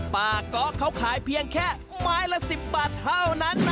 บ้าก๊อกเขาขายเพียงแค่ไม้ละสิบบาทเท่านั้นละ